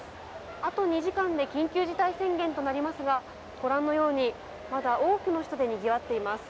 あと２時間で緊急事態宣言となりますがご覧のように、まだ多くの人でにぎわっています。